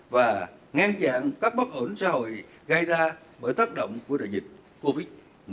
và ngăn chặn các bất ổn xã hội gây ra bởi tác động của đại dịch covid một mươi chín